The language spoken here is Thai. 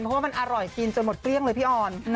เพราะว่ามันอร่อยกินจนหมดเกลี้ยงเลยพี่ออน